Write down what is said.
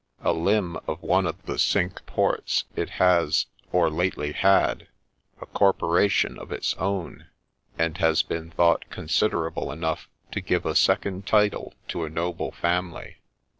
A limb of one of the Cinque Ports, it has, (or lately had,) a corporation of its own, and has been thought considerable enough to give a second title to a noble family.